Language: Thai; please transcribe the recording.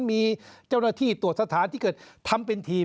มีเจ้าหน้าที่ตรวจสถานที่เกิดทำเป็นทีม